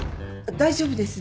大丈夫です。